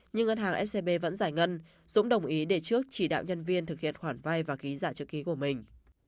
nhưng ngân hàng scb vẫn giải ngân dũng đồng ý để trước chỉ đạo nhân viên thực hiện khoản vay và ký giả chữ ký của mình